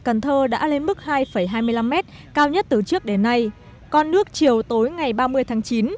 cần thơ đã lên mức hai hai mươi năm mét cao nhất từ trước đến nay con nước chiều tối ngày ba mươi tháng chín